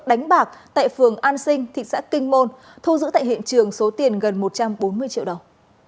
đánh bạc tại phường an sinh thị xã kinh môn thu giữ tại hiện trường số tiền gần một trăm bốn mươi triệu đồng